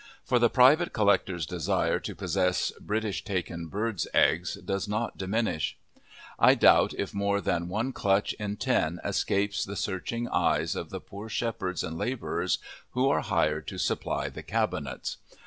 For the private collector's desire to possess British taken birds' eggs does not diminish; I doubt if more than one clutch in ten escapes the searching eyes of the poor shepherds and labourers who are hired to supply the cabinets.